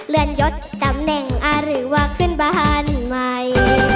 เลื่อนยดตำแหน่งหรือว่าขึ้นบ้านใหม่